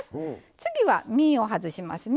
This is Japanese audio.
次は身を外しますね。